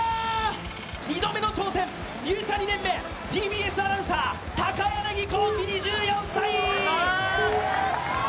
２度目の挑戦、入社２年目ＴＢＳアナウンサー高柳光希２３歳。